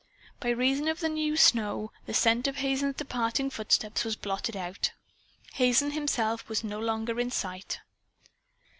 By reason of the new snow the scent of Hazen's departing footsteps was blotted out. Hazen himself was no longer in sight.